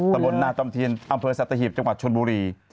ตะบนนาจอมเทียนอำเภอสัตหีบจังหวัดชนบุรี